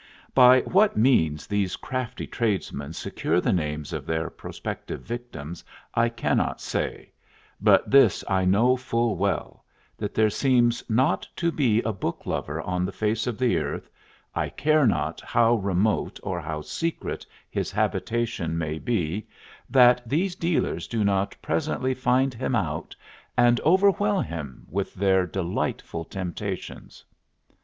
By what means these crafty tradesmen secure the names of their prospective victims I cannot say, but this I know full well that there seems not to be a book lover on the face of the earth, I care not how remote or how secret his habitation may be, that these dealers do not presently find him out and overwhelm him with their delightful temptations.